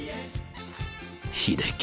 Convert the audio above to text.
秀樹。